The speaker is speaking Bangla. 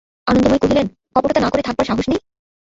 আনন্দময়ী কহিলেন, কপটতা না করে থাকবার সাহস নেই?